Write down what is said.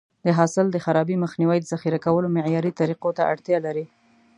د حاصل د خرابي مخنیوی د ذخیره کولو معیاري طریقو ته اړتیا لري.